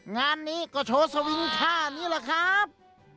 งานนี้ก็โชว์สวิงท่านี้แหละครับ